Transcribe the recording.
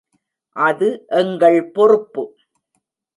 அது எங்கள் பொறுப்பு.